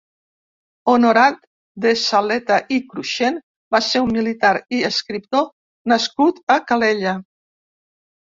Honorat de Saleta i Cruxent va ser un militar i escriptor nascut a Calella.